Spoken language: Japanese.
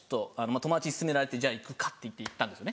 友達に薦められてじゃあ行くかっていって行ったんですよね。